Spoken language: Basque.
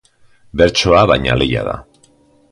Bertsoa, baina, lehia da.